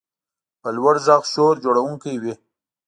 په لوړ غږ شور جوړونکی وي.